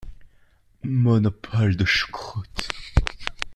Monopole de choucroute.